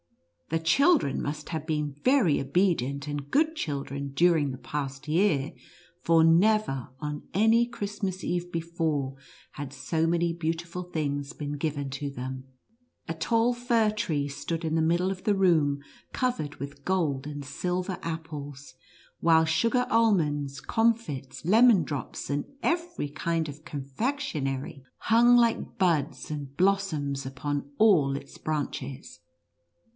The children must have been very obedient and good children during the past year, for never on any Christmas Eve before, had so many beautiful things been given to them. A tall Fir tree stood in the middle of the room, covered with gold and silver apples, while sugar almonds, comfits, lemon drops, and every kind of confectionery, hung like buds and blossoms upon all its branches.